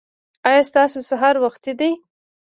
ایا ستاسو سهار وختي دی؟